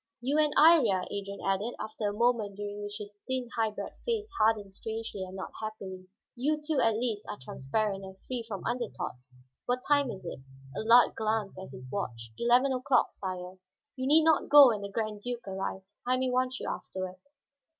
"You and Iría," Adrian added, after a moment during which his thin, high bred face hardened strangely and not happily, "you two at least are transparent, and free from under thoughts. What time is it?" Allard glanced at his watch. "Eleven o'clock, sire." "You need not go when the Grand Duke arrives; I may want you afterward.